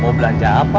mau belanja apa